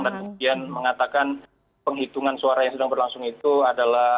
dan kemudian mengatakan penghitungan suara yang sudah berlangsung itu adalah